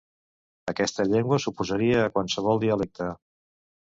Aquesta llengua s'oposaria a qualsevol dialecte.